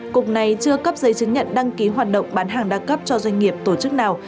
cục này chưa cấp giấy chứng nhận đăng ký hoạt động bán hàng đa cấp cho doanh nghiệp tổ chức nào